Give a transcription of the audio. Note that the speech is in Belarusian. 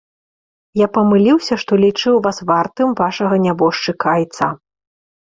Я памыліўся, што лічыў вас вартым вашага нябожчыка айца.